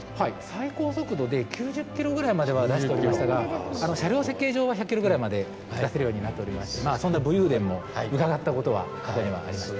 最高速度で９０キロぐらいまでは出しておりましたが車両設計上は１００キロぐらいまで出せるようになっておりましてそんな武勇伝も伺ったことは過去にはありました。